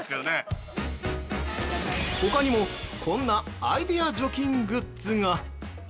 ◆ほかにもこんなアイデア除菌グッズが。